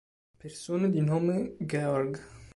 Persone di nome Gheorghe